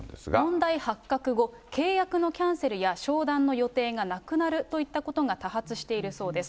問題発覚後、契約のキャンセルや商談の予定がなくなるといったことが多発しているそうです。